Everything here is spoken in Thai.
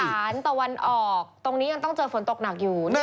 ตะวันออกตรงนี้ยังต้องเจอฝนตกหนักอยู่